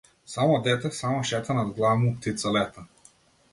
Само дете, само шета над глава му птица лета.